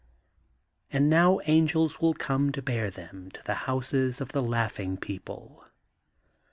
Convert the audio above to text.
And now angels wiU come to bear them to the houses of the laughing people.